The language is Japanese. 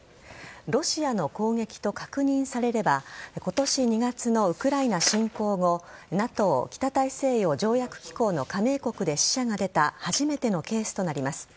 ロシアの攻撃と確認されれば今年２月のウクライナ侵攻後ＮＡＴＯ＝北大西洋条約機構の加盟国で死者が出た初めてのケースとなります。